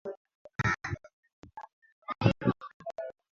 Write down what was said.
Inayofuata mfumo wa siasa za kijamaa ikiongozwa na chama kimoja cha Kikomunisti